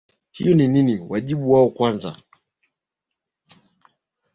hiyo ni ni ni wajibu wao wa kwanza